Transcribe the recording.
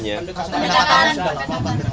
pak sudah lama dengan pak taufik